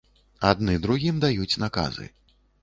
Адны другім даюць наказы.